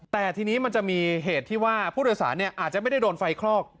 แต่ทีนี้มันจะมีเหตุที่ว่าผู้โดยสารอาจจะไม่ได้โดนไฟคลอก